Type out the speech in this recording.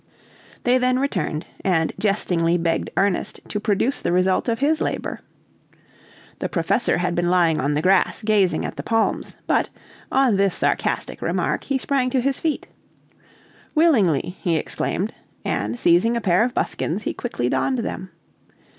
They then returned and jestingly begged Ernest to produce the result of his labor. The professor had been lying on the grass grazing at the palms; but, on this sarcastic remark, he sprang to his feet. "Willingly," he exclaimed, and seizing a pair of buskins, he quickly donned them.